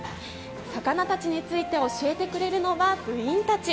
魚たちについて教えてくれるのが部員たち。